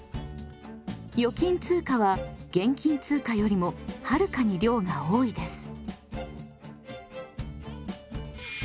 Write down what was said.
預金通貨は現金通貨よりもはるかに量が多いです。